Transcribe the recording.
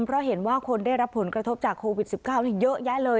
เพราะเห็นว่าคนได้รับผลกระทบจากโควิด๑๙เยอะแยะเลย